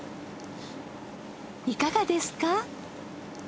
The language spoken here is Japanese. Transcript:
いかがですか？